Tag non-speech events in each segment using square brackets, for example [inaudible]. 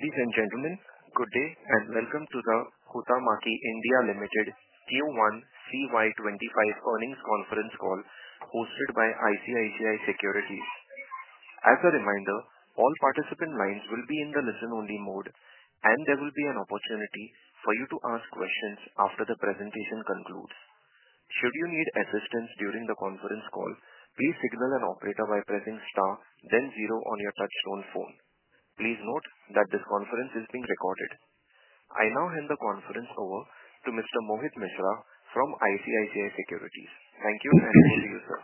Ladies and gentlemen, good day and welcome to the Huhtamaki India Limited Q1 CY2025 earnings conference call hosted by ICICI Securities. As a reminder, all participant lines will be in the listen-only mode, and there will be an opportunity for you to ask questions after the presentation concludes. Should you need assistance during the conference call, please signal an operator by pressing star, then zero on yourtouchtone phone. Please note that this conference is being recorded. I now hand the conference over to Mr. Mohit Mishra from ICICI Securities. Thank you, and good to you, sir.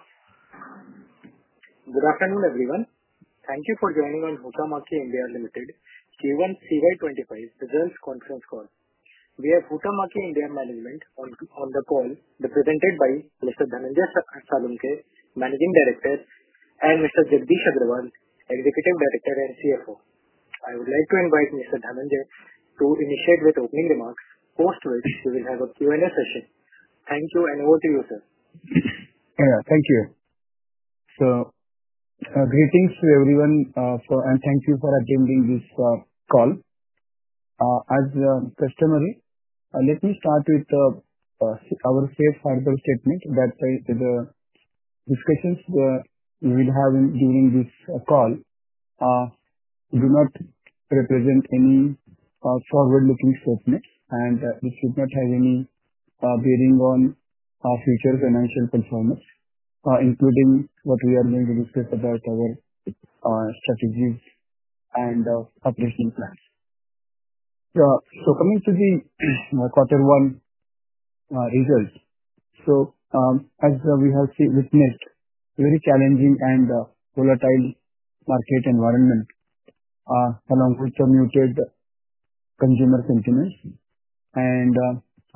Good afternoon, everyone. Thank you for joining on Huhtamaki India Limited Q1 CY2025 results conference call. We have Huhtamaki India Management on the call, represented by Mr. Dhananjay Salunkhe, Managing Director, and Mr. Jagdish Agarwal, Executive Director and CFO. I would like to invite Mr. Dhananjay to initiate with opening remarks, post which we will have a Q&A session. Thank you, and over to you, sir. Thank you. Greetings to everyone, and thank you for attending this call. As customary, let me start with our safe harbor statement that the discussions we will have during this call do not represent any forward-looking statements, and it should not have any bearing on future financial performance, including what we are going to discuss about our strategies and operational plans. Coming to the quarter one results, as we have witnessed, very challenging and volatile market environment, along with the muted consumer sentiments and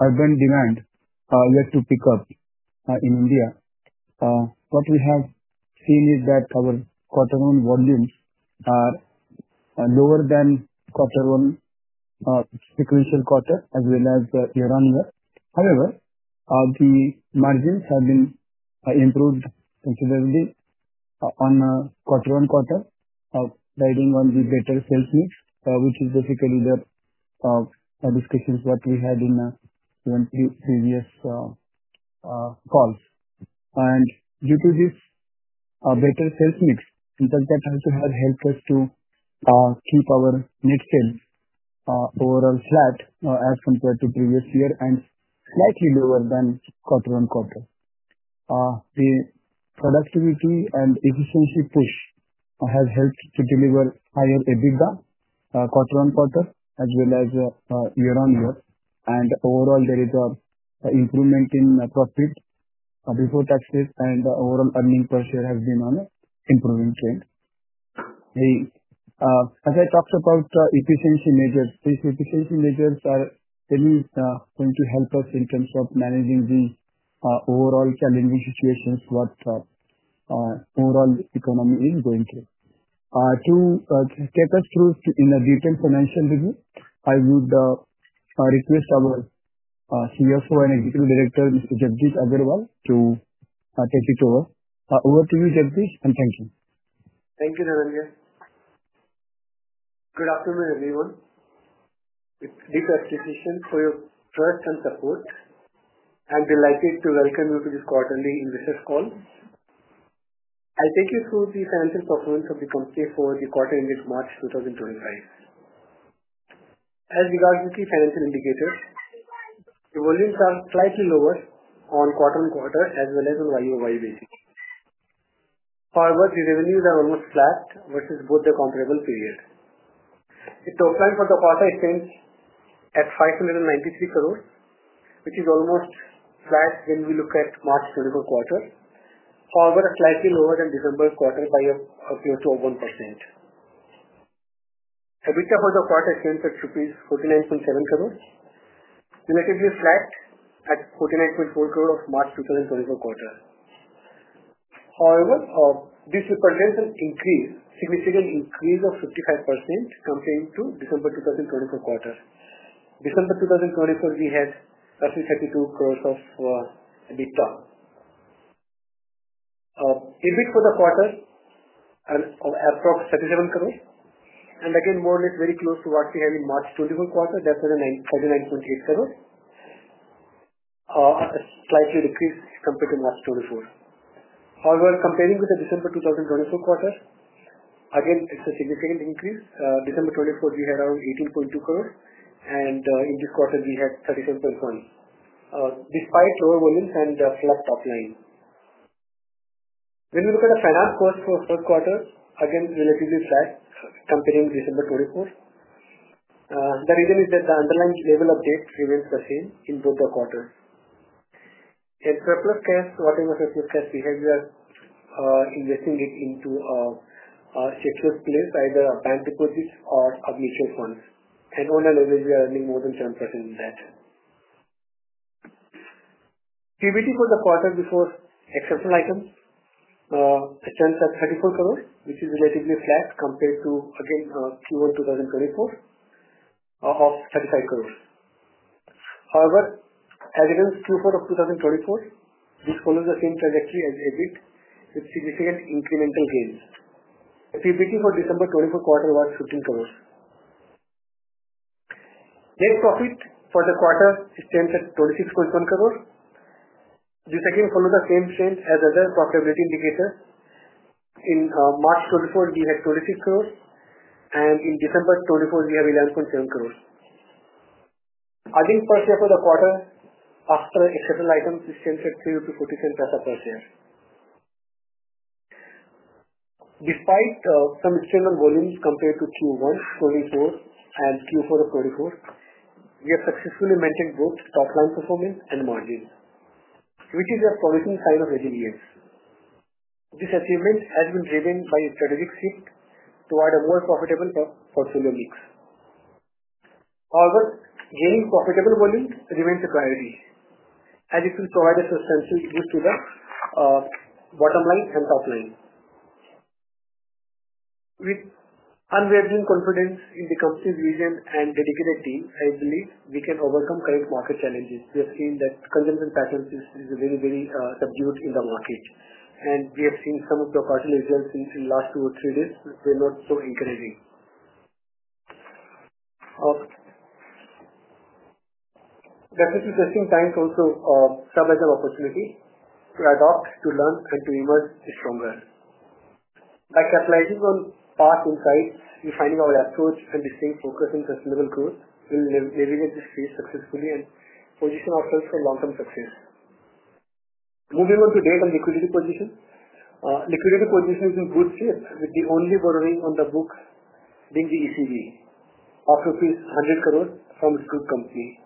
urban demand yet to pick up in India, what we have seen is that our quarter one volumes are lower than quarter one sequential quarter, as well as year-on-year. However, the margins have been improved considerably on quarter one quarter, riding on the better sales mix, which is basically the discussions what we had in previous calls. Due to this better sales mix, in fact, that has helped us to keep our net sales overall flat as compared to previous year and slightly lower than quarter one quarter. The productivity and efficiency push has helped to deliver higher EBITDA quarter one quarter, as well as year-on-year. Overall, there is an improvement in profit before taxes, and overall earnings per share has been on an improving trend. As I talked about efficiency measures, these efficiency measures are going to help us in terms of managing the overall challenging situations what overall economy is going through. To take us through in a detailed financial review, I would request our CFO and Executive Director, Mr. Jagdish Agarwal, to take it over. Over to you, Jagdish, and thank you. Thank you, Dhananjay. Good afternoon, everyone. It's deep appreciation for your trust and support. I'm delighted to welcome you to this quarterly investors' call. I'll take you through the financial performance of the company for the quarter ended March 2025. As regards to key financial indicators, the volumes are slightly lower on quarter-on-quarter as well as on year-on-year basis. However, the revenues are almost flat versus both the comparable period. The top line for the quarter is set at 593 crore, which is almost flat when we look at March 2024 quarter. However, slightly lower than December quarter by close to 1%. EBITDA for the quarter is set at INR 49.7 crore, relatively flat at 49.4 crore of March 2024 quarter. However, this represents an increase, significant increase of 55% compared to December 2024 quarter. December 2024, we had roughly INR 32 crore of EBITDA. EBIT for the quarter is approximately 37 crore, and again, more or less very close to what we had in March 2024 quarter, that was INR 39.8 crore, a slight decrease compared to March 2024. However, comparing with the December 2024 quarter, again, it's a significant increase. December 2024, we had around 18.2 crore, and in this quarter, we had 37.1 crore, despite lower volumes and flat top line. When we look at the finance cost for the first quarter, again, relatively flat comparing to December 2024. The reason is that the underlying level of debt remains the same in both the quarters. It's surplus cash. Whatever surplus cash behavior, investing it into a secure place, either a bank deposit or mutual funds. On an average, we are earning more than 10% in that. PBT for the quarter before exceptional items stands at 34 crore, which is relatively flat compared to, again, Q1 2024 of 35 crore. However, as against Q4 of 2024, this follows the same trajectory as EBIT, with significant incremental gains. PBT for December 2024 quarter was 15 crore. Net profit for the quarter stands at 26.1 crore. This again follows the same trend as other profitability indicators. In March 2024, we had 26 crore, and in December 2024, we have 11.7 crore. EPS for the quarter after exceptional items stands at 347% per share. Despite some external volumes compared to Q1 2024 and Q4 of 2024, we have successfully maintained both top-line performance and margins, which is a promising sign of resilience. This achievement has been driven by a strategic shift toward a more profitable portfolio mix. However, gaining profitable volumes remains a priority, as it will provide a substantial boost to the bottom line and top line. With unwavering confidence in the company's vision and dedicated team, I believe we can overcome current market challenges. We have seen that consumption patterns are very, very subdued in the market, and we have seen some of the quarterly results in the last two or three days were not so encouraging. That is a testing time to also survive the opportunity, to adopt, to learn, and to emerge stronger. By capitalizing on past insights, refining our approach, and staying focused on sustainable growth, we will navigate this phase successfully and position ourselves for long-term success. Moving on to data and liquidity position, liquidity position is in good shape, with the only worry on the book being the ECB of rupees 100 crore from group company.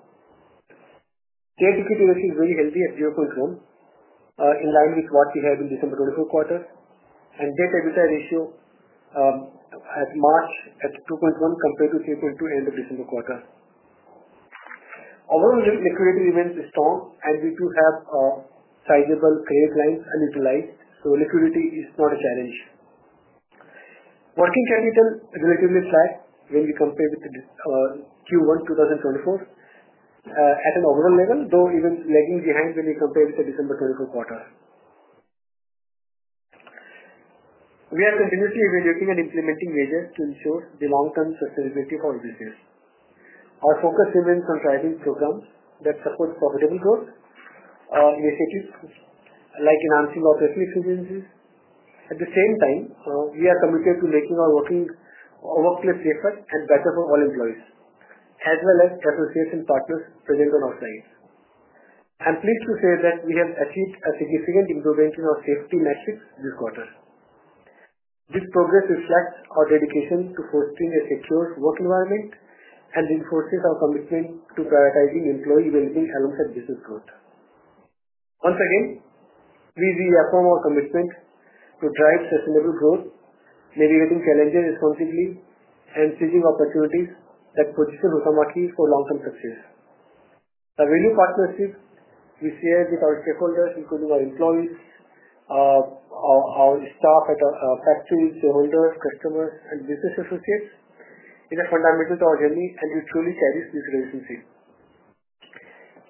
Share equity ratio is very healthy at 0.1, in line with what we had in December 2024 quarter, and debt-equity ratio at March at 2.1 compared to 3.2 end of December quarter. Overall, liquidity remains strong, and we do have sizable credit lines unutilized, so liquidity is not a challenge. Working capital is relatively flat when we compare with Q1 2024 at an overall level, though even lagging behind when we compare with the December 2024 quarter. We are continuously evaluating and implementing measures to ensure the long-term sustainability of our business. Our focus remains on driving programs that support profitable growth initiatives like enhancing operational efficiencies. At the same time, we are committed to making our workplace safer and better for all employees, as well as associates and partners present on our side. I'm pleased to say that we have achieved a significant improvement in our safety metrics this quarter. This progress reflects our dedication to fostering a secure work environment and reinforces our commitment to prioritizing employee well-being alongside business growth. Once again, we reaffirm our commitment to drive sustainable growth, navigating challenges responsibly, and seizing opportunities that position Huhtamaki for long-term success. The value partnership we share with our stakeholders, including our employees, our staff at factories, shareholders, customers, and business associates, is fundamental to our journey, and we truly cherish this relationship.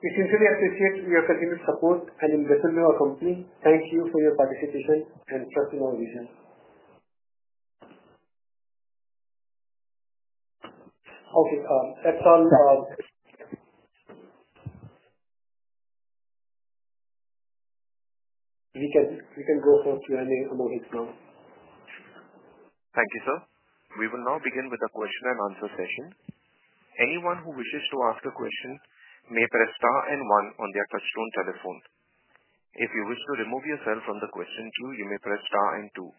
We sincerely appreciate your continued support and investment in our company. Thank you for your participation and trust in our vision. Okay, that's all. We can go for Q&A about it now. Thank you, sir. We will now begin with the question and answer session. Anyone who wishes to ask a question may press star and one on their touchstone telephone. If you wish to remove yourself from the question queue, you may press star and two.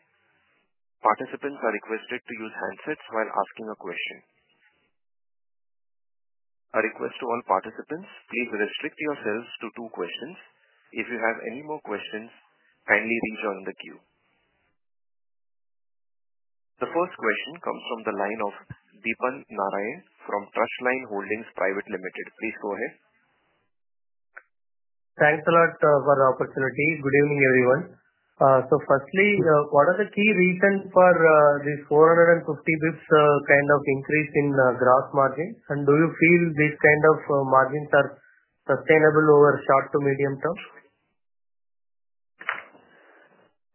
Participants are requested to use handsets while asking a question. A request to all participants, please restrict yourselves to two questions. If you have any more questions, kindly rejoin the queue. The first question comes from the line of Deepan Narayanan from Trustline Holdings Private Limited. Please go ahead. Thanks a lot for the opportunity. Good evening, everyone. Firstly, what are the key reasons for this 450 basis points kind of increase in gross margins, and do you feel these kind of margins are sustainable over the short to medium term?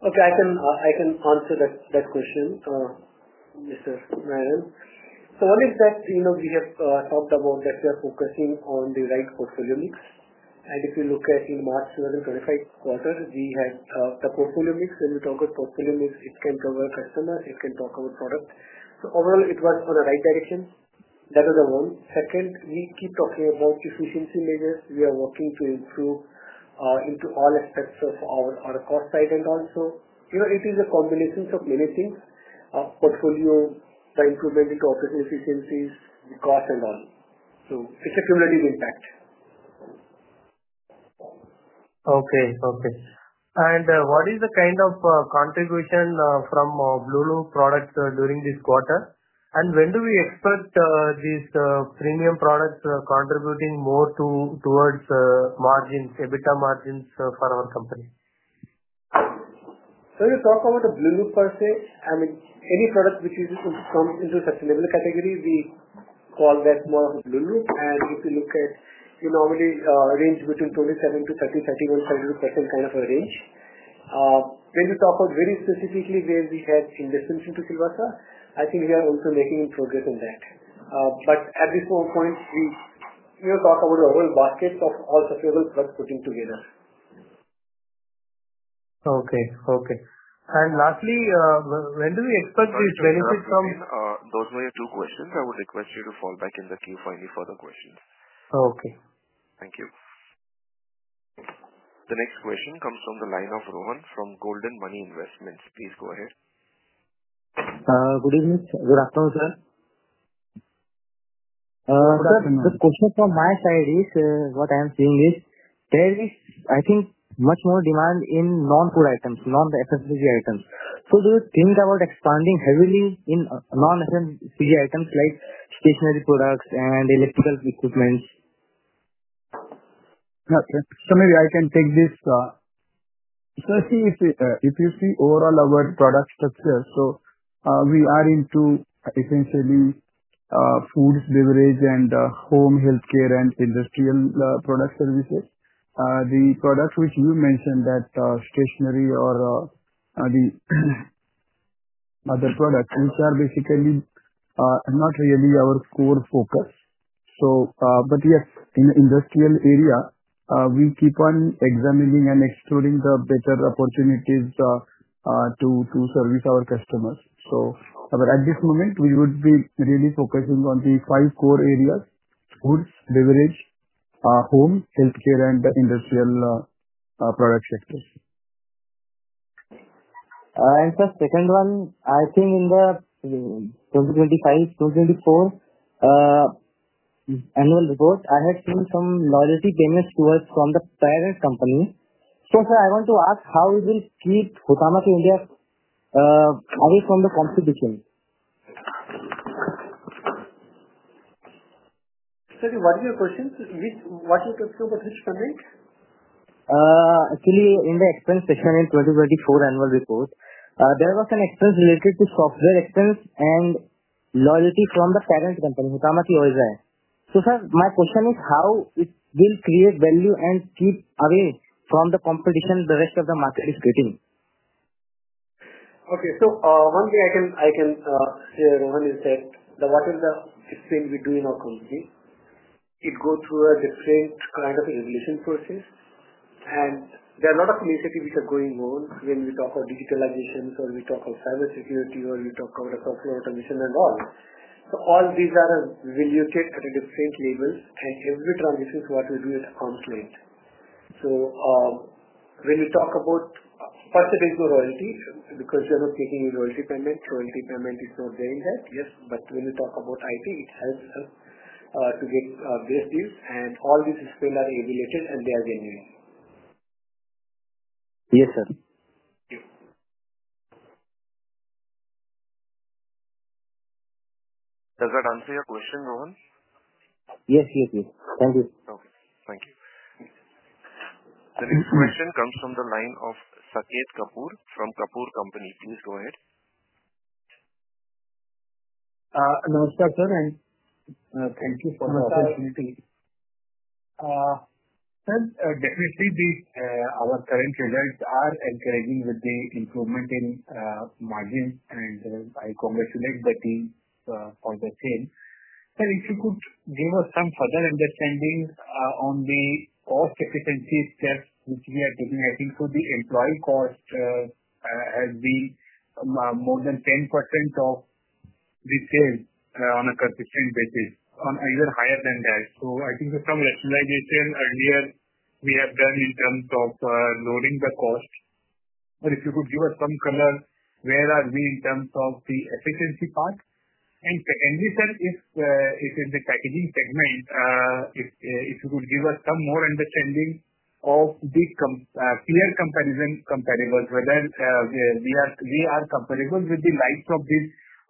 Okay, I can answer that question, Mr. Narayan. One is that we have talked about that we are focusing on the right portfolio mix. If you look at March 2025 quarter, we had the portfolio mix. When we talk of portfolio mix, it can cover customers. It can talk about product. Overall, it was in the right direction. That was one. Second, we keep talking about efficiency measures. We are working to improve into all aspects of our cost side and also, it is a combination of many things: portfolio, the improvement into operational efficiencies, the cost, and all. It is a cumulative impact. Okay, okay. What is the kind of contribution from blueloop products during this quarter, and when do we expect these premium products contributing more towards margins, EBITDA margins for our company? When we talk about the blueloop per se, I mean, any product which comes into a sustainable category, we call that more blueloop. If you look at, we normally range between 27%-30%, 31%, 32% kind of a range. When we talk about very specifically where we had investments into Silvassa, I think we are also making progress in that. At this point, we talk about the whole basket of all sustainable products putting together. Okay, okay. Lastly, when do we expect these benefits from? Those were your two questions. I would request you to fall back in the queue for any further questions. Okay. Thank you. The next question comes from the line of Rohan from Golden Money Investments. Please go ahead. Good evening. Good afternoon, sir. [audio distortion] Sir, the question from my side is, what I am seeing is there is, I think, much more demand in non-food items, non-FMCG items. Do you think about expanding heavily in non-FMCG items like stationery products and electrical equipments? Okay. Maybe I can take this. If you see overall our product structure, we are into essentially foods, beverage, and home healthcare and industrial product services. The product which you mentioned, that stationery or the other products, which are basically not really our core focus. Yes, in the industrial area, we keep on examining and exploring the better opportunities to service our customers. At this moment, we would be really focusing on the five core areas: foods, beverage, home healthcare, and industrial product sectors. Sir, second one, I think in the 2025-2024 annual report, I had seen some loyalty payments to us from the parent company. Sir, I want to ask how we will keep Huhtamaki India away from the competition? Sorry, what is your question? What are you talking about? Which comment? Actually, in the expense section in the 2024 annual report, there was an expense related to software expense and royalty from the parent company, Huhtamaki Oyj. Sir, my question is how it will create value and keep away from the competition the rest of the market is getting? Okay, one thing I can share, Rohan, is that whatever expense we do in our company, it goes through a different kind of evolution process. There are a lot of initiatives which are going on when we talk of digitalization, or we talk of cybersecurity, or we talk about software automation and all. All these are valued at a different level, and every transition is what we do at arm's length. When we talk about percentage of loyalty, because we are not making any loyalty payment, loyalty payment is not there in that, yes. When we talk about IT, it helps us to get great deals, and all these expenses are evaluated, and they are genuine. Yes, sir. Thank you. Does that answer your question, Rohan? Yes, yes, yes. Thank you. Okay. Thank you. The next question comes from the line of Saket Kapoor from Kapoor Company. Please go ahead. Namaskar, sir, and thank you for the opportunity. Sir, definitely, our current results are encouraging with the improvement in margins, and I congratulate the team for the same. Sir, if you could give us some further understanding on the cost efficiency steps which we are taking, I think for the employee cost has been more than 10% of the sales on a consistent basis, even higher than that. I think some rationalization earlier we have done in terms of lowering the cost. If you could give us some color where are we in terms of the efficiency part. Secondly, sir, if in the packaging segment, if you could give us some more understanding of the clear comparison comparables, whether we are comparable with the likes of the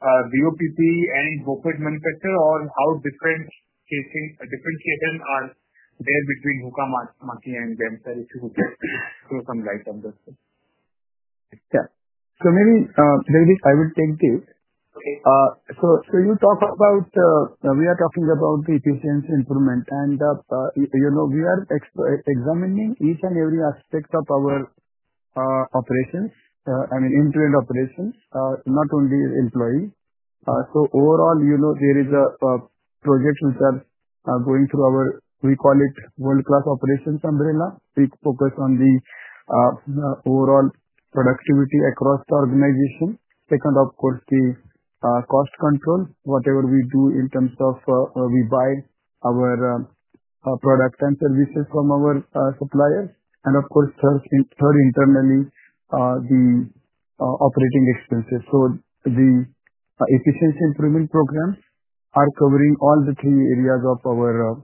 BOPP and BoPET manufacturer, or how differentiations are there between Huhtamaki and them, sir, if you could give some light on that. Yeah. Maybe I will take this. You talk about we are talking about the efficiency improvement, and we are examining each and every aspect of our operations, I mean, end-to-end operations, not only employee. Overall, there is a project which is going through our, we call it world-class operations umbrella. We focus on the overall productivity across the organization. Second, of course, the cost control, whatever we do in terms of we buy our products and services from our suppliers. Of course, third, internally, the operating expenses. The efficiency improvement programs are covering all the three areas of our,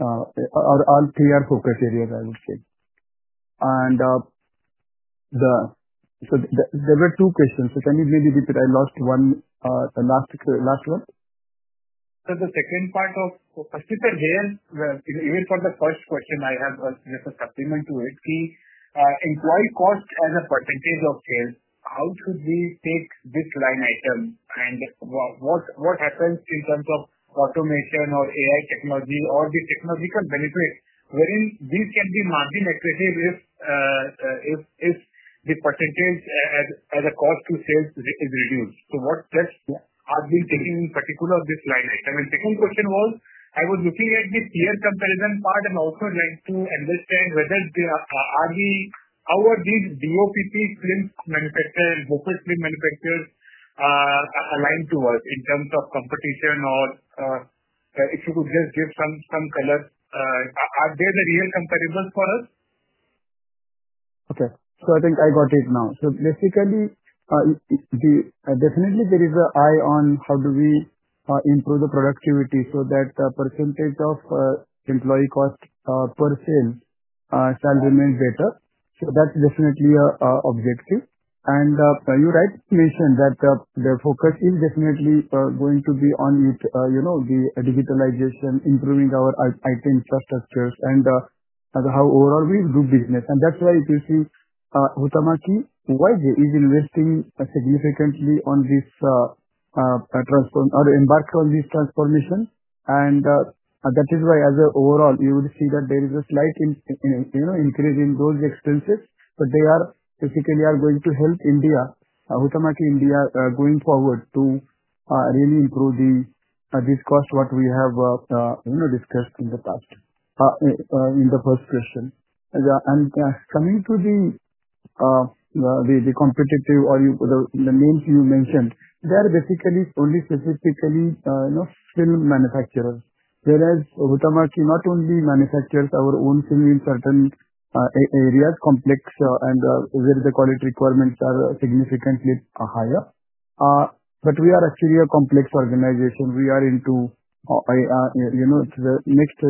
all three are focus areas, I would say. There were two questions. Can you maybe repeat? I lost the last one. The second part of firstly, sir, even for the first question, I have just a supplement to it. The employee cost as a percentage of sales, how should we take this line item? What happens in terms of automation or AI technology or the technological benefit wherein these can be margin-accretive if the percentage as a cost to sales is reduced? What steps are being taken in particular on this line item? The second question was, I was looking at the tier comparison part and also like to understand whether are we, how are these BOPP film manufacturers, BoPET film manufacturers aligned to us in terms of competition, or if you could just give some color, are they the real comparables for us? Okay. I think I got it now. Basically, definitely, there is an eye on how do we improve the productivity so that the % of employee cost per sale shall remain better. That's definitely an objective. You rightly mentioned that the focus is definitely going to be on the digitalization, improving our IT infrastructures, and how overall we do business. That is why, if you see, Huhtamaki Oyj is investing significantly on this or embarked on this transformation. That is why, as an overall, you would see that there is a slight increase in those expenses, but they are basically going to help India, Huhtamaki India, going forward to really improve this cost, what we have discussed in the past in the first question. Coming to the competitive or the names you mentioned, they are basically only specifically film manufacturers, whereas Huhtamaki not only manufactures our own film in certain areas, complex, and where the quality requirements are significantly higher. Actually, we are a complex organization. We are into the mixed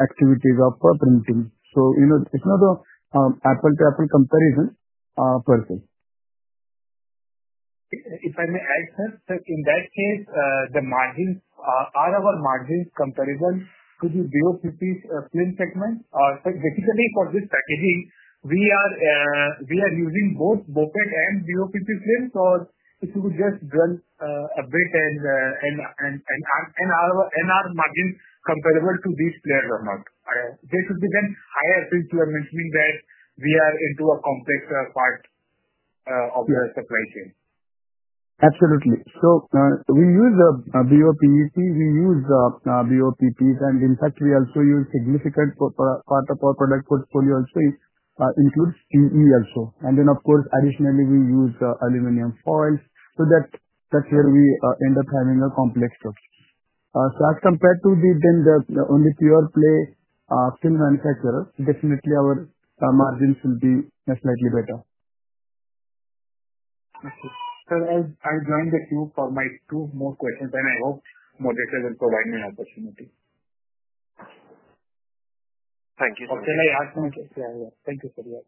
activities of printing. It is not an apples-to-apples comparison per se. If I may add, sir, in that case, are our margins comparable to the BOPP film segment? Basically, for this packaging, we are using both BoPET and BOPP film, or if you could just drill a bit and are our margins comparable to these players or not? They should be then higher since you are mentioning that we are into a complex part of the supply chain. Absolutely. We use BOPP. We use BOPP, and in fact, we also use a significant part of our product portfolio also includes PE also. Then, of course, additionally, we use aluminum foils. That is where we end up having a complex structure. As compared to the only pure-play film manufacturer, definitely our margins will be slightly better. Okay. Sir, as I joined the queue for my two more questions, and I hope Mohit Mishra will provide me an opportunity. Thank you, sir. Okay, may I ask something? Yeah. Thank you, sir. Yeah.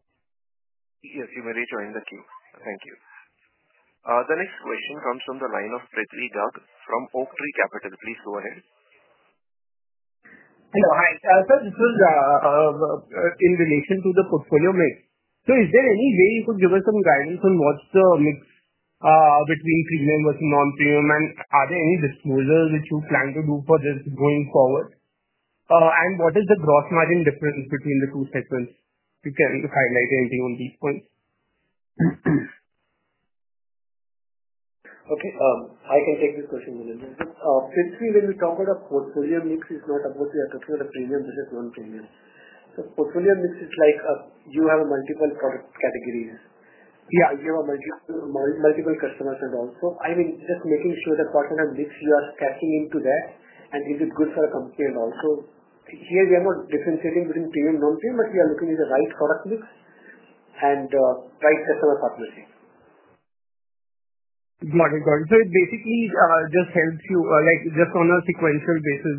Yes, you may rejoin the queue. Thank you. The next question comes from the line of Prithvi Ghag from Oaktree Capital. Please go ahead. Hello. Hi. Sir, this was in relation to the portfolio mix. Is there any way you could give us some guidance on what's the mix between premium versus non-premium, and are there any disclosures which you plan to do for this going forward? What is the gross margin difference between the two segments? You can highlight anything on these points. Okay. I can take this question in a minute. Prithvi, when you talk about a portfolio mix, it's not about we are talking about a premium versus non-premium. Portfolio mix is like you have multiple product categories. You have multiple customers and also, I mean, just making sure that what kind of mix you are cashing into that, and is it good for a company? Here we are not differentiating between premium and non-premium, but we are looking at the right product mix and right customer partnership. Got it, got it. It basically just helps you just on a sequential basis,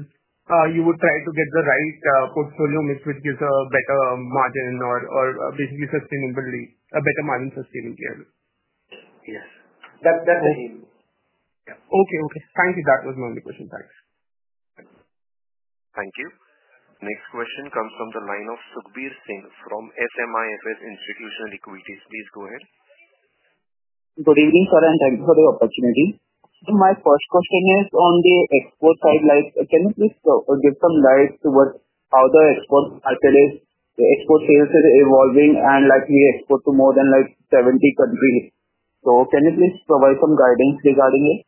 you would try to get the right portfolio mix which gives a better margin or basically sustainability, a better margin sustainability. Yes. That's it. Okay, okay. Thank you. That was my only question. Thanks. Thank you. Next question comes from the line of Sukhbir Singh from SMIFS Institutional Equities. Please go ahead. Good evening, sir, and thank you for the opportunity. My first question is on the export side. Can you please give some light to how the export market is, the export sales is evolving, and we export to more than 70 countries. Can you please provide some guidance regarding it?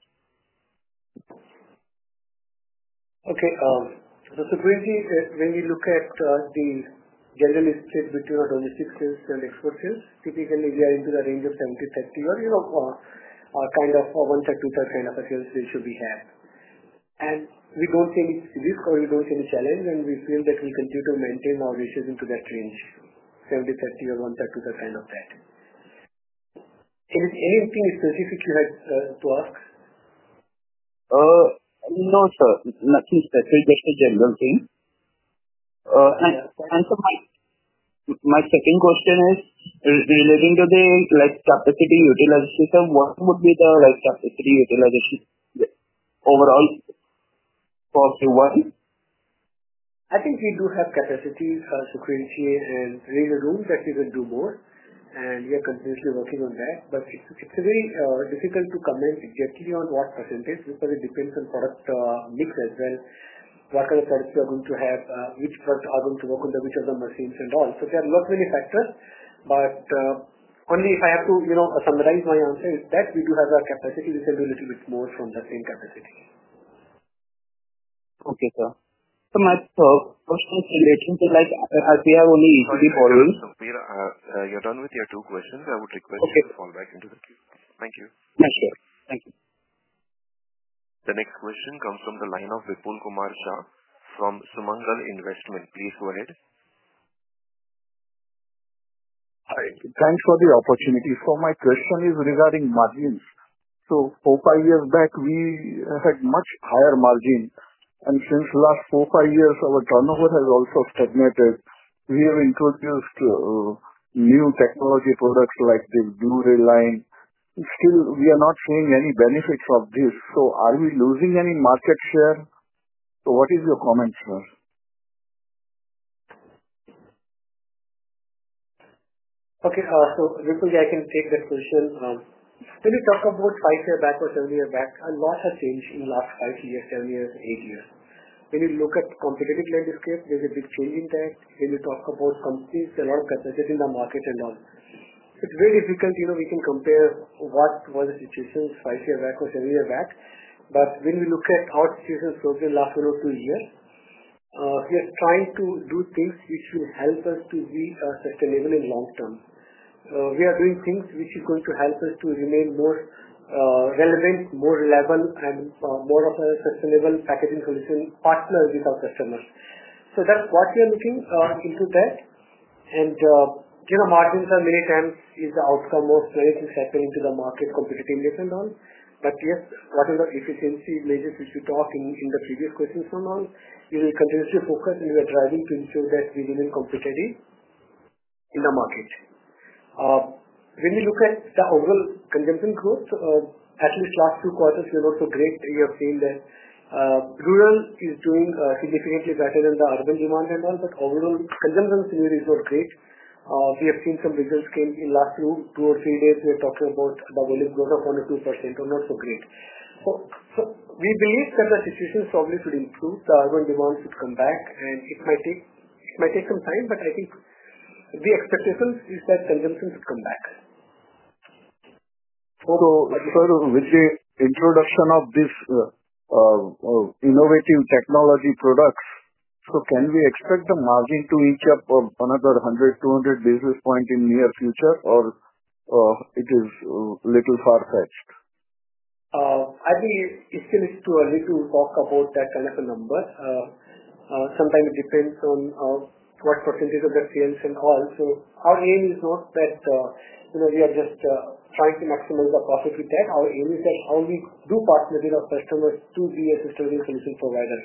Okay. Sugbir, when we look at the general list between our domestic sales and export sales, typically we are in the range of 70-30, or kind of 1-30-30 kind of a sales ratio we have. We do not see any risk, or we do not see any challenge, and we feel that we continue to maintain our ratios in that range, 70-30, or 1-30-30 kind of that. Anything specific you had to ask? No, sir. Nothing specific. Just a general thing. My second question is relating to the capacity utilization. What would be the capacity utilization overall for Q1? I think we do have capacity, Sukhbir, and there is a room that we can do more. We are continuously working on that. It is very difficult to comment exactly on what percentage because it depends on product mix as well, what kind of products we are going to have, which products are going to work on which of the machines and all. There are a lot many factors. If I have to summarize my answer, we do have a capacity. We can do a little bit more from the same capacity. Okay, sir. [audio distortion] Sukhbir, you're done with your two questions. I would request you to fall back into the queue. Thank you. Yeah, sure. Thank you. The next question comes from the line of Vipul Kumar Shah from Sumangal Investment. Please go ahead. Thanks for the opportunity. My question is regarding margins. Four, five years back, we had much higher margin. Since the last four, five years, our turnover has also stagnated. We have introduced new technology products like the blueloop line. Still, we are not seeing any benefits of this. Are we losing any market share? What is your comment, sir? Okay. Vipul, I can take that question. When you talk about five years back or seven years back, a lot has changed in the last five years, seven years, eight years. When you look at the competitive landscape, there is a big change in that. When you talk about companies, there are a lot of competitors in the market and all. It is very difficult. We can compare what was the situation five years back or seven years back. When we look at our situation so far in the last one or two years, we are trying to do things which will help us to be sustainable in the long term. We are doing things which are going to help us to remain more relevant, more reliable, and more of a sustainable packaging solution partner with our customers. That is what we are looking into. Margins are many times the outcome of many things happening to the market competitiveness and all. Yes, whatever efficiency measures which we talked in the previous questions and all, we will continuously focus, and we are driving to ensure that we remain competitive in the market. When we look at the overall consumption growth, at least the last two quarters were not so great. We have seen that rural is doing significantly better than the urban demand and all, but overall, consumption scenario is not great. We have seen some results came in the last two or three days. We are talking about the volume growth of 1% or 2%, not so great. We believe that the situation probably should improve. The urban demand should come back, and it might take some time, but I think the expectation is that consumption should come back. With the introduction of these innovative technology products, can we expect the margin to reach up another 100-200 basis points in the near future, or is it a little far-fetched? I think it's still too early to talk about that kind of a number. Sometimes it depends on what percentage of the sales and all. Our aim is not that we are just trying to maximize the profit with that. Our aim is that how we do partner with our customers to be a sustainable solution provider.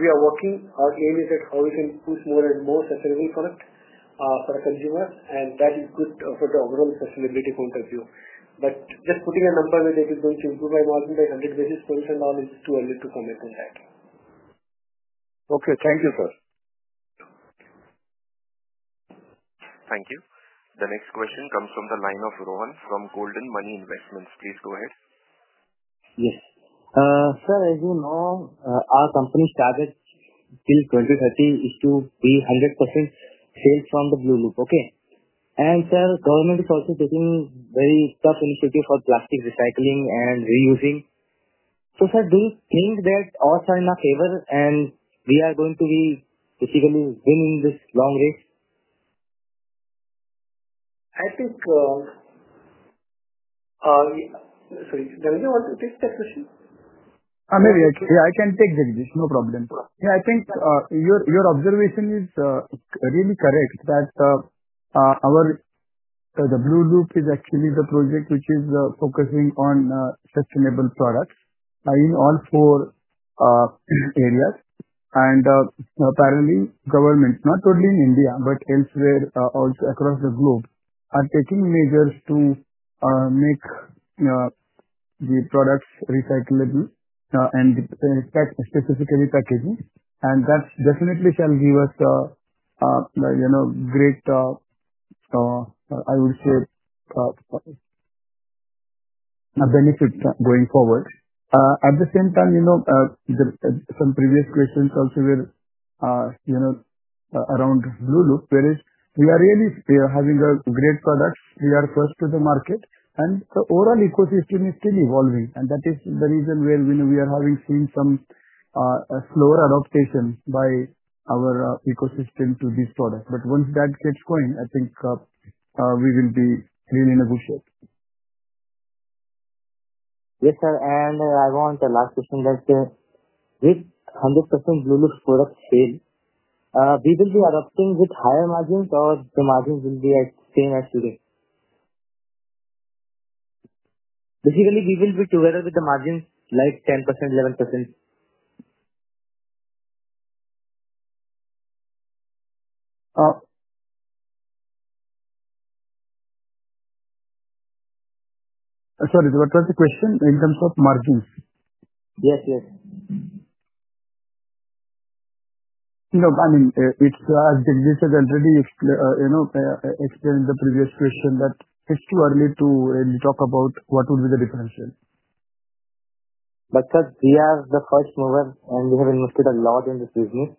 We are working. Our aim is that how we can push more and more sustainable product for the consumers, and that is good for the overall sustainability point of view. Just putting a number where it is going to improve by 100 basis points and all is too early to comment on that. Okay. Thank you, sir. Thank you. The next question comes from the line of Rohan from Golden Money Investments. Please go ahead. Yes. Sir, as you know, our company's target till 2030 is to be 100% sales from the blueloop, okay? Sir, government is also taking very tough initiative for plastic recycling and reusing. Sir, do you think that odds are in our favor and we are going to be basically winning this long race? I think, sorry, can you please take that question? Maybe. Yeah, I can take that, Jagdish. No problem. Yeah, I think your observation is really correct that the blueloop is actually the project which is focusing on sustainable products in all four areas. Apparently, government, not only in India but elsewhere also across the globe, are taking measures to make the products recyclable and specifically packaging. That definitely shall give us great, I would say, benefits going forward. At the same time, some previous questions also were around blueloop, whereas we are really having great products. We are first to the market, and the overall ecosystem is still evolving. That is the reason where we are having seen some slower adaptation by our ecosystem to these products. Once that gets going, I think we will be clearly negotiate. Yes, sir. I want the last question. With 100% blueloop product sale, we will be adopting with higher margins or the margins will be the same as today? Basically, we will be together with the margins like 10%, 11%. Sorry, what was the question in terms of margins? Yes, yes. No, I mean, as Jagdish has already explained in the previous question, that it's too early to talk about what would be the differential. Sir, we are the first mover, and we have invested a lot in this business.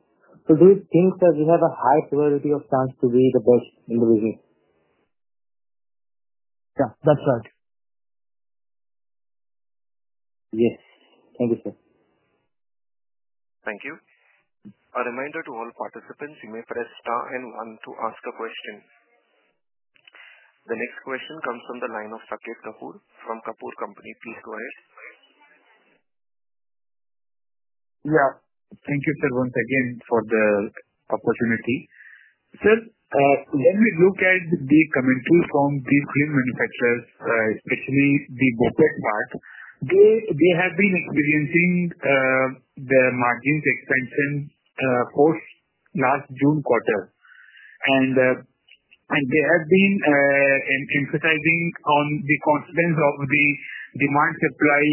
Do you think that we have a high probability of chance to be the best in the business? Yeah, that's right. Yes. Thank you, sir. Thank you. A reminder to all participants, you may press star and one to ask a question. The next question comes from the line of Saket Kapoor from Kapoor Company. Please go ahead. Yeah. Thank you, sir, once again for the opportunity. Sir, when we look at the commentary from these film manufacturers, especially the BoPET part, they have been experiencing the margins expansion post last June quarter. They have been emphasizing on the confidence of the demand-supply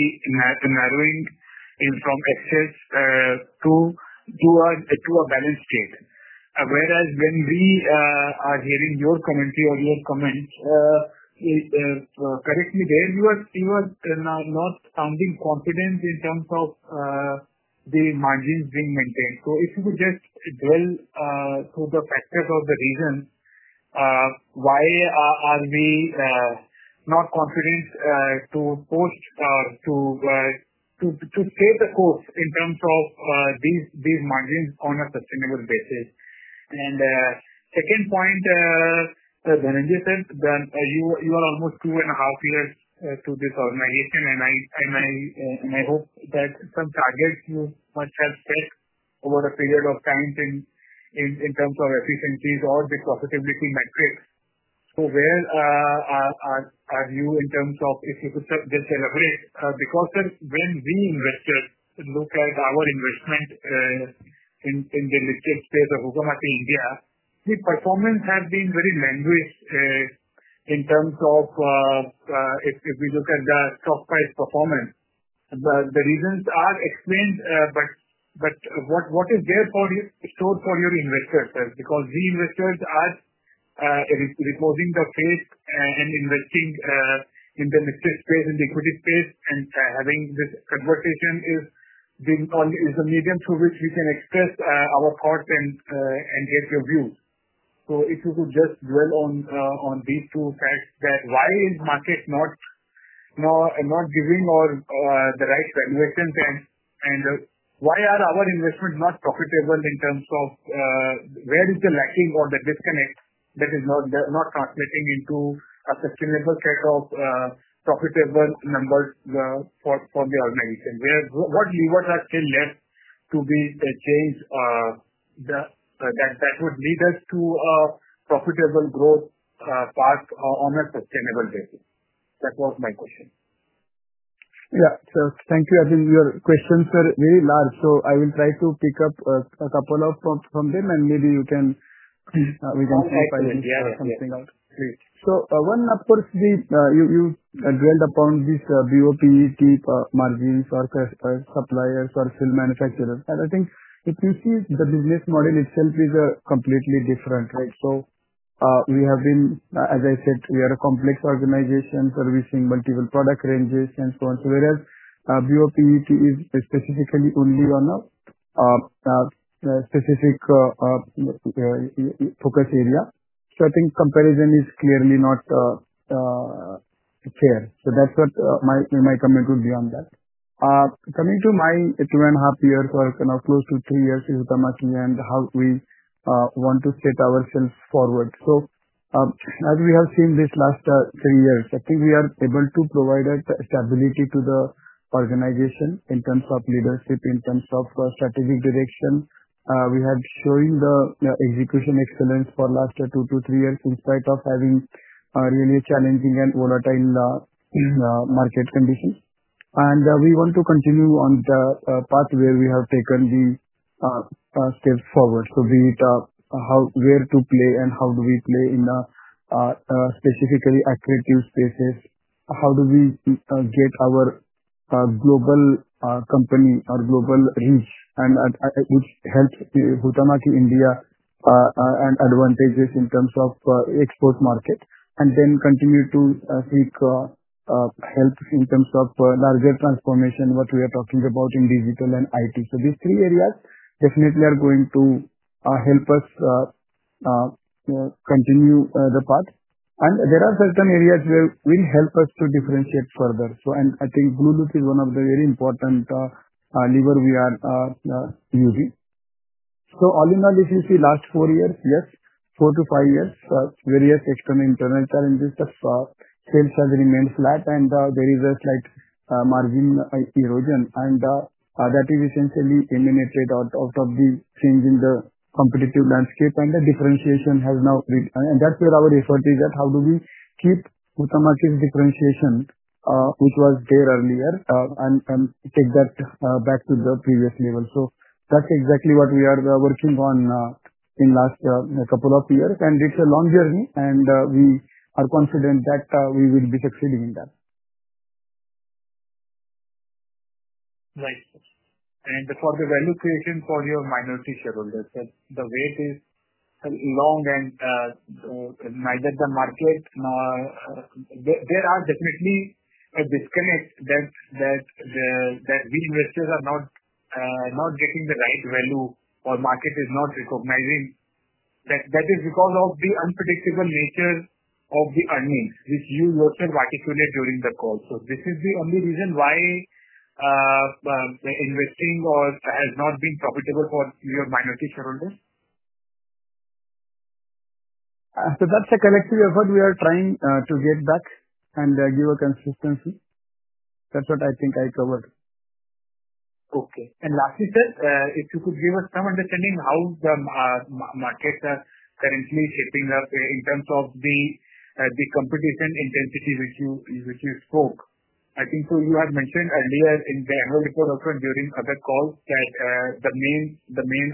narrowing from excess to a balanced state. Whereas when we are hearing your commentary or your comments, correct me there, you are not sounding confident in terms of the margins being maintained. If you could just drill through the factors of the reasons why are we not confident to post or to stay the course in terms of these margins on a sustainable basis. Second point, Dhananjay sir, you are almost two and a half years to this organization, and I hope that some targets you might have set over a period of time in terms of efficiencies or the profitability metrics. Where are you in terms of if you could just elaborate? Because when we invested, look at our investment in the listed space of Huhtamaki India, the performance has been very languished in terms of if we look at the stock price performance. The reasons are explained, but what is there for you stored for your investors, sir? Because the investors are reposing their faith and investing in the mixed space and the equity space, and having this conversation is the medium through which we can express our thoughts and get your view. If you could just dwell on these two facts, that why is the market not giving us the right valuations, and why are our investments not profitable in terms of where is the lacking or the disconnect that is not translating into a sustainable set of profitable numbers for the organization? What levers are still left to be changed that would lead us to a profitable growth path on a sustainable basis? That was my question. Yeah. Sir, thank you. I think your questions, sir, are very large. I will try to pick up a couple from them, and maybe we can clarify something out. One, of course, you drilled upon this BoPET margins or suppliers or film manufacturers. I think if you see the business model itself, it is completely different, right? We have been, as I said, we are a complex organization servicing multiple product ranges and so on. Whereas BoPET is specifically only on a specific focus area, I think comparison is clearly not fair. That is what my comment would be on that. Coming to my two and a half years or close to three years with Huhtamaki and how we want to set ourselves forward. As we have seen this last three years, I think we are able to provide stability to the organization in terms of leadership, in terms of strategic direction. We have shown the execution excellence for the last two to three years in spite of having really challenging and volatile market conditions. We want to continue on the path where we have taken the steps forward. Be it where to play and how do we play in specifically accurate spaces, how do we get our global company or global reach, which helps Huhtamaki India, and advantages in terms of export market, and then continue to seek help in terms of larger transformation, what we are talking about in digital and IT. These three areas definitely are going to help us continue the path. There are certain areas where it will help us to differentiate further. I think blueloop is one of the very important levers we are using. All in all, if you see the last four years, yes, four to five years, various external and internal challenges, the sales have remained flat, and there is a slight margin erosion. That is essentially emanated out of the changing competitive landscape, and the differentiation has now reached. That is where our effort is, that how do we keep Huhtamaki's differentiation, which was there earlier, and take that back to the previous level. That is exactly what we are working on in the last couple of years. It is a long journey, and we are confident that we will be succeeding in that. Right. For the value creation for your minority shareholders, the wait is long, and neither the market nor there are definitely a disconnect that the investors are not getting the right value or the market is not recognizing. That is because of the unpredictable nature of the earnings, which you yourself articulate during the call. This is the only reason why the investing has not been profitable for your minority shareholders? That's a collective effort we are trying to get back and give a consistency. That's what I think I covered. Okay. Lastly, sir, if you could give us some understanding of how the markets are currently shaping up in terms of the competition intensity which you spoke. I think you had mentioned earlier in the annual report also and during other calls that the main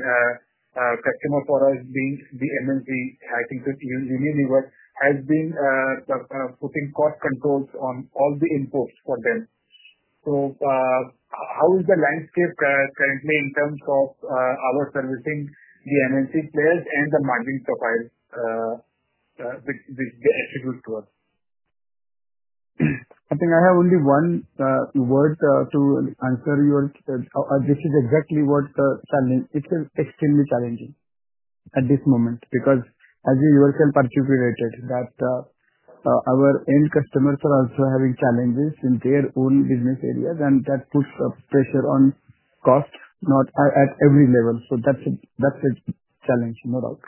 customer for us being the MNC, I think Unilever, has been putting cost controls on all the inputs for them. How is the landscape currently in terms of our servicing the MNC players and the margin profiles which they attribute to us? I think I have only one word to answer your this is exactly what the challenge it is extremely challenging at this moment because, as you yourself articulated, that our end customers are also having challenges in their own business areas, and that puts pressure on cost at every level. That is a challenge, no doubt.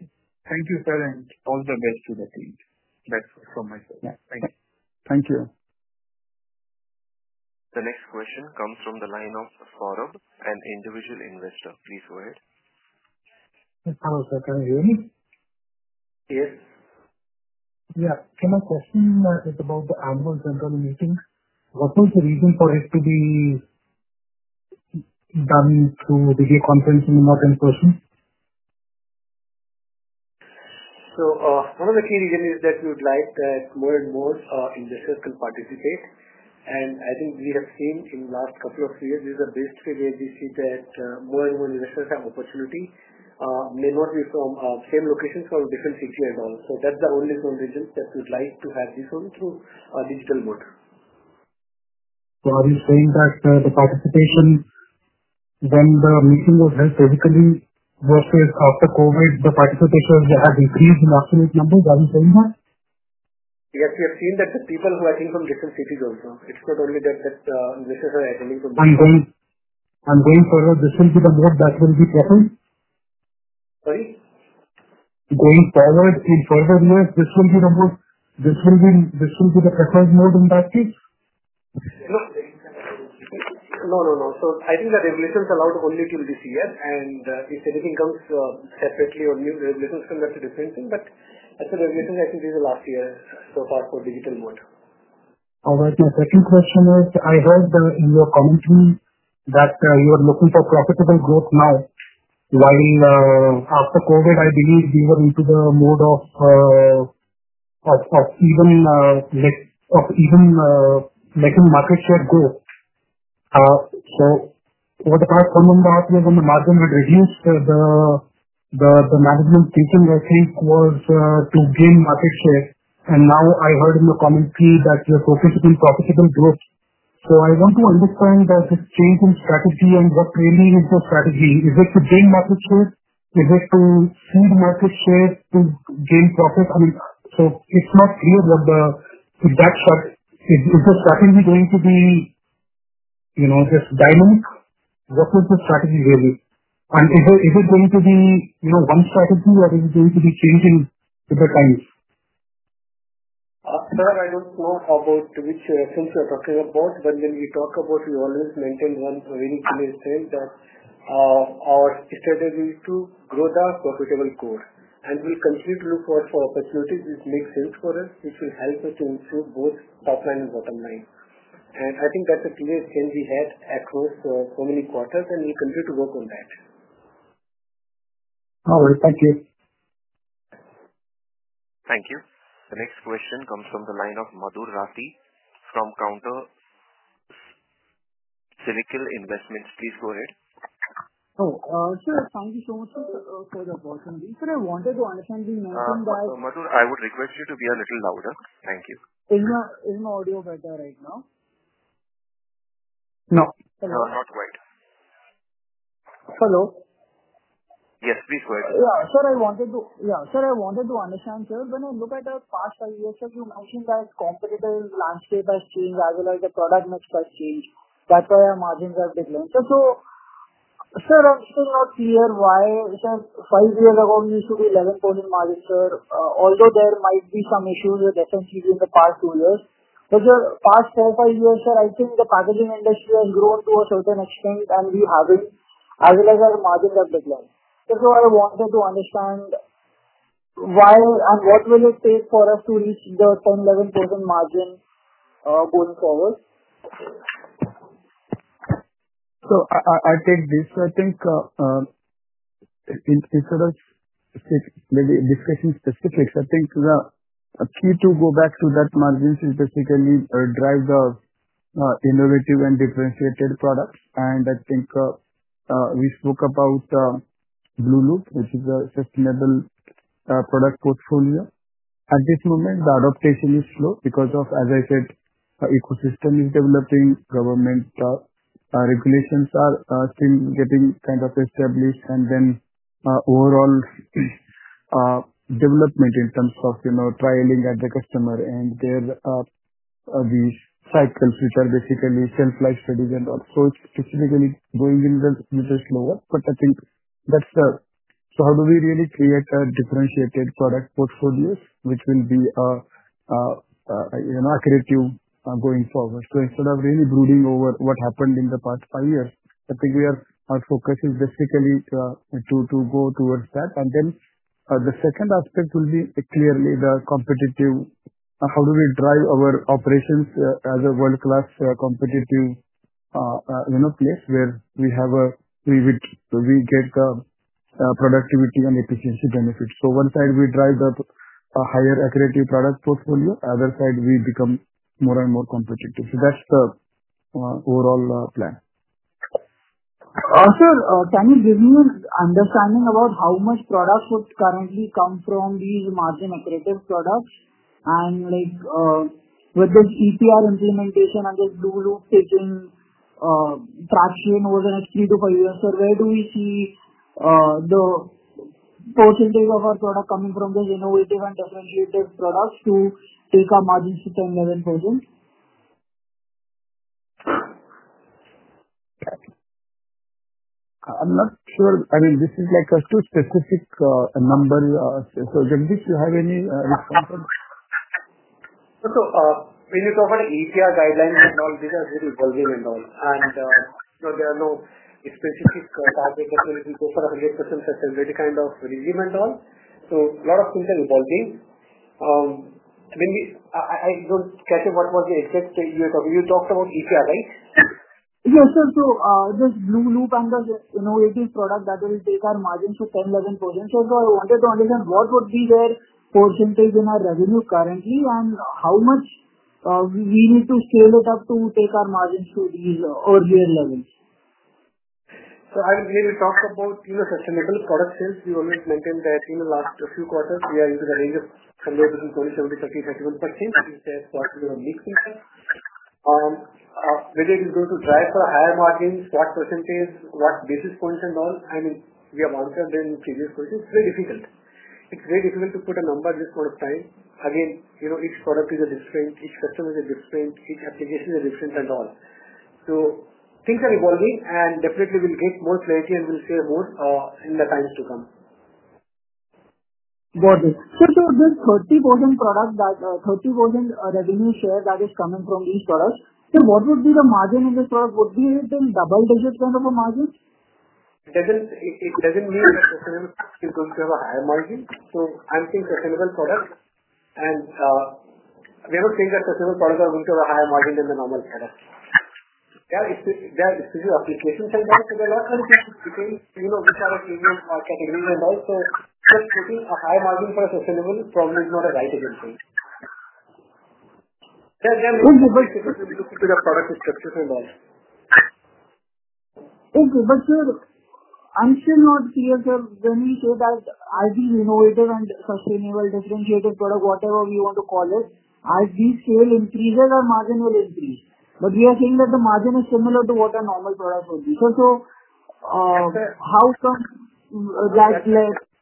Thank you, sir, and all the best to the team. That's all from my side. Yeah. Thank you. The next question comes from the line of Faruk, an individual investor. Please go ahead. Hello, sir. Can you hear me? Yes. Yeah. My question is about the annual general meeting. What was the reason for it to be done through video conferencing and not in person? One of the key reasons is that we would like that more and more investors can participate. I think we have seen in the last couple of years is a big split where we see that more and more investors have opportunity. It may not be from the same locations or different cities and all. That is the only conclusion that we would like to have this one through a digital mode. Are you saying that the participation when the meeting was held physically versus after COVID, the participation has increased in absolute numbers? Are you saying that? Yes, we have seen that the people who are coming from different cities also. It's not only that the investors are attending from different. I'm going further. This will be the mode that will be preferred? Sorry? Going forward in further years, this will be the mode, this will be the preferred mode in that case? No, no. I think that regulations are allowed only till this year. If anything comes separately or new regulations come back, those are different things. As for regulations, I think this is the last year so far for digital mode. All right. My second question is, I heard in your commentary that you are looking for profitable growth now. While after COVID, I believe we were into the mode of even letting market share go. Over the past four and a half years, the margin had reduced. The management thinking, I think, was to gain market share. Now I heard in your commentary that you're focused on profitable growth. I want to understand the change in strategy and what really is the strategy. Is it to gain market share? Is it to seed market share to gain profit? I mean, it's not clear what that is. Is the strategy going to be just dynamic? What was the strategy really? Is it going to be one strategy, or is it going to be changing with the times? Sir, I don't know about which sense you are talking about. When we talk about, we always maintain one very clear sense that our strategy is to grow the profitable growth. We'll continue to look for opportunities which make sense for us, which will help us to improve both top line and bottom line. I think that's a clear sense we had across so many quarters, and we'll continue to work on that. All right. Thank you. Thank you. The next question comes from the line of Madhur Rathi from Counter Cyclical Investments. Please go ahead. Oh, sir, thank you so much for the opportunity. Sir, I wanted to understand, you mentioned that. Madhur, I would request you to be a little louder. Thank you. Is my audio better right now? No. Not quite. Hello? Yes, please go ahead. Yeah, sir, I wanted to understand, sir. When I look at the past five years, you mentioned that competitive landscape has changed as well as the product mix has changed. That's why our margins have declined. Sir, I'm still not clear why, sir, five years ago, we used to be 11% margin, sir. Although there might be some issues with FMCG in the past two years. The past four or five years, sir, I think the packaging industry has grown to a certain extent, and we haven't, as well as our margins have declined. Sir, I wanted to understand why and what will it take for us to reach the 10-11% margin going forward? I'll take this. I think instead of discussing specifics, I think the key to go back to that margins is basically drive the innovative and differentiated products. I think we spoke about blueloop, which is a sustainable product portfolio. At this moment, the adaptation is slow because, as I said, the ecosystem is developing, government regulations are still getting kind of established, and then overall development in terms of trialing at the customer and their abuse cycles, which are basically self-life studies and all. It's specifically going in the slower. I think that's the. How do we really create a differentiated product portfolio which will be accurate going forward? Instead of really brooding over what happened in the past five years, I think our focus is basically to go towards that. The second aspect will be clearly the competitive. How do we drive our operations as a world-class competitive place where we get the productivity and efficiency benefits? One side, we drive the higher accurate product portfolio. Other side, we become more and more competitive. That is the overall plan. Sir, can you give me an understanding about how much products would currently come from these margin accretive products? With this EPR implementation under blueloop taking traction over the next three to five years, sir, where do we see the percentage of our product coming from these innovative and differentiated products to take our margins to 10-11%? I'm not sure. I mean, this is like a too specific number. So Jagdish, do you have any response on that? When you talk about EPR guidelines and all, these are really evolving and all. There are no specific targets that will go for 100% sustainability kind of regime and all. A lot of things are evolving. I do not catch what was the exact, you talked about EPR, right? Yes, sir. This blueloop and the innovative product that will take our margins to 10-11%. Sir, I wanted to understand what would be their percentage in our revenue currently and how much we need to scale it up to take our margins to these earlier levels? I would really talk about sustainable product sales. We always maintain that in the last few quarters, we are using a range of 10%, 20%, 30%, 31%. That is their quarterly or weekly. Whether it is going to drive for a higher margin, what percentage, what basis points and all, I mean, we have answered in previous questions. It's very difficult. It's very difficult to put a number at this point of time. Again, each product is a different. Each customer is a different. Each application is a different and all. Things are evolving, and definitely, we'll get more clarity and we'll share more in the times to come. Got it. Sir, this 30% product, that 30% revenue share that is coming from these products, what would be the margin in this product? Would it be a double-digit kind of a margin? It doesn't mean that sustainable products are going to have a higher margin. I'm saying sustainable products. We have not said that sustainable products are going to have a higher margin than the normal products. There are exclusive applications and all, so there are a lot of things which are exclusive categories and all. Just putting a higher margin for a sustainable problem is not a right-hand thing. Thank you. We'll look into the product structures and all. Thank you. Sir, I'm still not clear, sir, when you say that as the innovative and sustainable differentiated product, whatever we want to call it, as these scale increases, our margin will increase. We are saying that the margin is similar to what a normal product would be. Sir, how come that.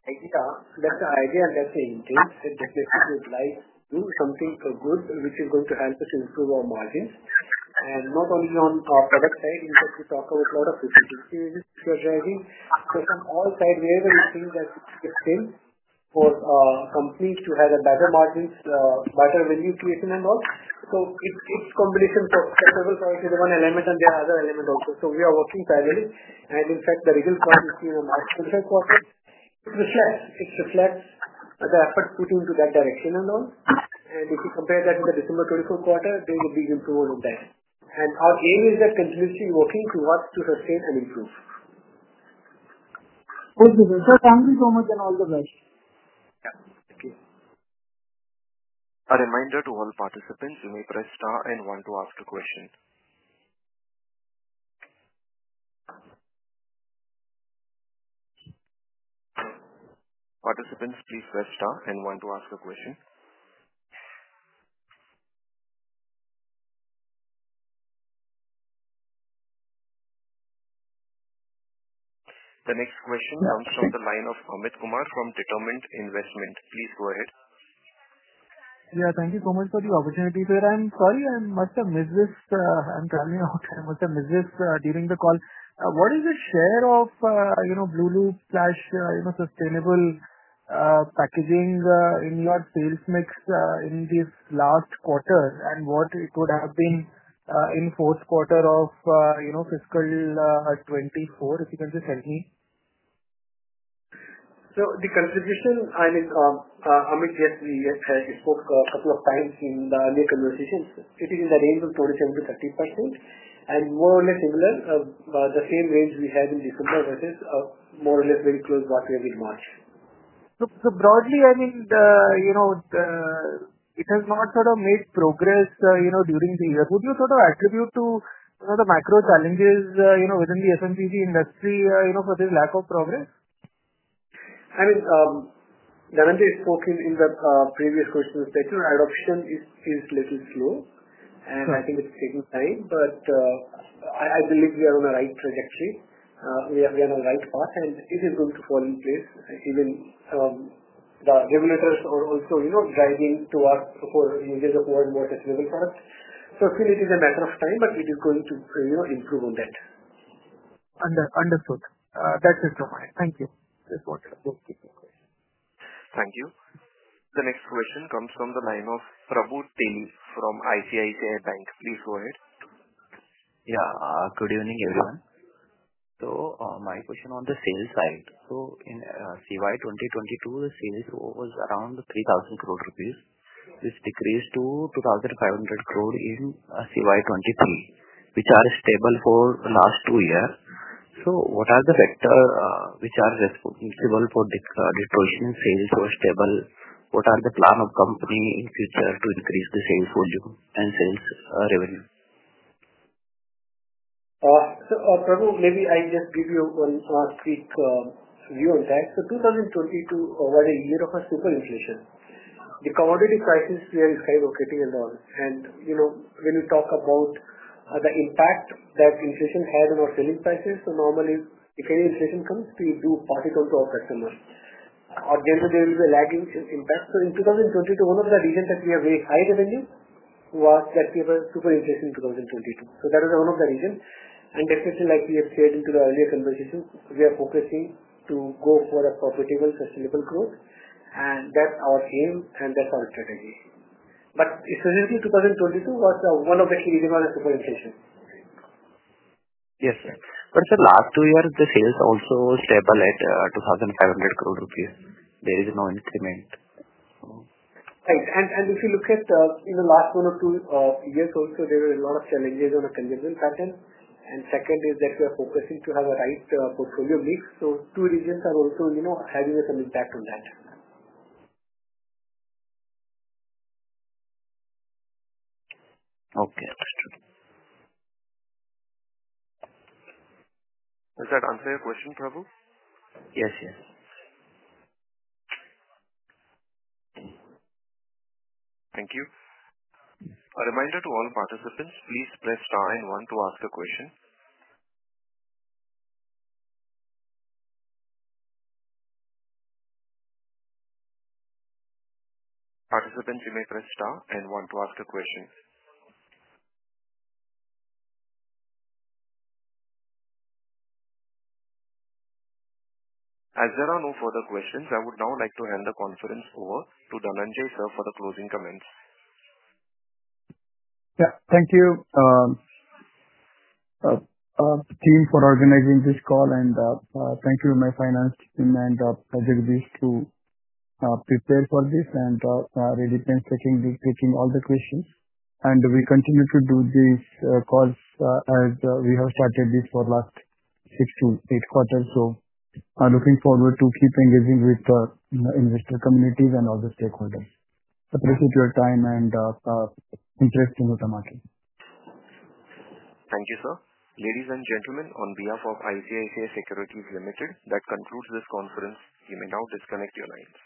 Idea. That's our idea, and that's the intent. That's basically we would like to do something for good which is going to help us improve our margins. And not only on our product side, in fact, we talk about a lot of efficiency which we are driving. From all sides, wherever we think that it's the same for companies to have better margins, better value creation and all. It's a combination of sustainable product is one element and there are other elements also. We are working parallelly. In fact, the result is seen in the March 2024 quarter. It reflects the effort put into that direction and all. If you compare that with the December 2024 quarter, there will be improvement in that. Our aim is that continuously working towards to sustain and improve. Thank you, sir. Sir, thank you so much and all the best. Yeah. Thank you. A reminder to all participants, you may press star and one to ask a question. Participants, please press star and one to ask a question. The next question comes from the line of Amit Kumar from Determined Investment. Please go ahead. Yeah, thank you so much for the opportunity, sir. I'm sorry I must have missed this. I'm traveling out. I must have missed this during the call. What is the share of blueloop/sustainable packaging in your sales mix in this last quarter and what it would have been in fourth quarter of fiscal 2024, if you can just help me? The contribution, I mean, Amit, yes, we spoke a couple of times in the earlier conversations. It is in the range of 27%-30% and more or less similar, the same range we had in December versus more or less very close to what we have in March. Broadly, I mean, it has not sort of made progress during the year. Could you sort of attribute to the macro challenges within the FMCG industry for this lack of progress? I mean, Dhananjay spoke in the previous questions that adoption is a little slow, and I think it's taking time. I believe we are on the right trajectory. We are on the right path, and it is going to fall in place. Even the regulators are also driving towards users of more and more sustainable products. Still, it is a matter of time, but it is going to improve on that. Understood. That's it from my end. Thank you. Just wanted to ask a quick question. Thank you. The next question comes from the line of Prabhu Teli from ICICI Bank. Please go ahead. Yeah. Good evening, everyone. My question on the sales side. In calendar year 2022, the sales was around 3,000 crore rupees, which decreased to 2,500 crore in calendar year 2023, which are stable for the last two years. What are the factors which are responsible for the detention in sales to a stable? What are the plan of the company in future to increase the sales volume and sales revenue? Prabhu, maybe I just give you a quick view on that. 2022 was a year of super inflation. The commodity prices were skyrocketing and all. When we talk about the impact that inflation had on our selling prices, normally, if any inflation comes, we do pass it on to our customers. Our general, there will be a lagging impact. In 2022, one of the reasons that we have very high revenue was that we have a super inflation in 2022. That was one of the reasons. Definitely, like we have said in the earlier conversation, we are focusing to go for a profitable, sustainable growth. That's our aim, and that's our strategy. Specifically, 2022 was one of the key reasons of the super inflation. Yes, sir. The last two years, the sales also stabilized at 2,500 crore rupees. There is no increment. Right. If you look at the last one or two years also, there were a lot of challenges on a congestion pattern. Second is that we are focusing to have a right portfolio mix. Two regions are also having some impact on that. Okay. Understood. Does that answer your question, Prabhu? Yes, yes. Thank you. A reminder to all participants, please press star and one to ask a question. Participants, you may press star and one to ask a question. As there are no further questions, I would now like to hand the conference over to Dhananjay, sir, for the closing comments. Yeah. Thank you, team, for organizing this call. Thank you, my finance team and project leaders, to prepare for this and really thanks for taking all the questions. We continue to do these calls as we have started before last six to eight quarters. Looking forward to keep engaging with the investor communities and all the stakeholders. Appreciate your time and interest in the market. Thank you, sir. Ladies and gentlemen, on behalf of ICICI Securities Limited, that concludes this conference. You may now disconnect your lines.